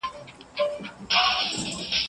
د یار غمونه پکې رو رو چڼوومه